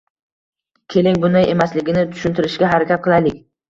Keling, bunday emasligini tushuntirishga harakat qilaylik